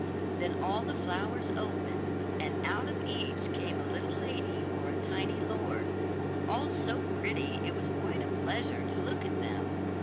Then all the flowers opened, and out of each came a little lady or a tiny lord, all so pretty it was quite a pleasure to look at them.